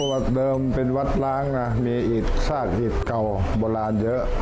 วัดเดิมเป็นวัดล้างนะมีอิตซากอิตเก่าโบราณเยอะ